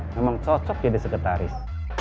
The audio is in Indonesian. memang cocok jadi sekretaris